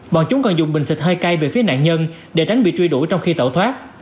bọn chúng còn dùng bình xịt hơi cay về phía nạn nhân để tránh bị truy đuổi trong khi tẩu thoát